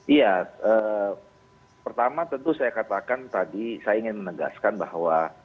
iya pertama tentu saya katakan tadi saya ingin menegaskan bahwa